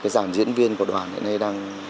giảm diễn viên của đoàn hiện nay đang